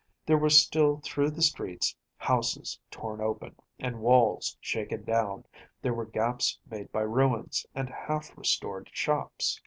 There were still through the streets houses torn open, and walls shaken down; there were gaps made by ruins, and half restored shops.